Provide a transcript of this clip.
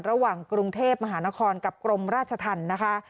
ระหว่างกรุงเทพมหานครกับกรมราชธรรมนะคะ